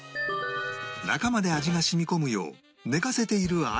中まで味が染み込むよう寝かせている間に